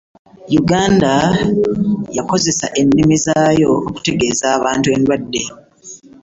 Uganda yakozesa ennimi zaayo okutegeeza abantu endwadde.